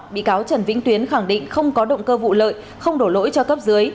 bị cáo trần vĩnh tuyến khẳng định không có động cơ vụ lợi không đổ lỗi cho cấp dưới